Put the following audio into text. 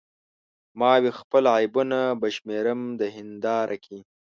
ما وې خپل عیبونه به شمیرم د هنداره کې